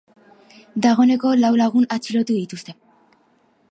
Dagoeneko lau lagun atxilotu dituzte.